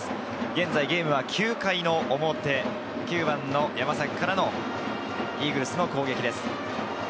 現在９回表、９番・山崎からのイーグルスの攻撃です。